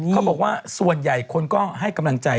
เขาบอกว่าส่วนใหญ่คนก็ให้กำลังใจ